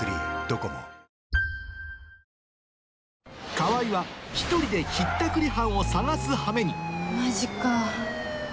川合は１人でひったくり犯を探すはめにマジか。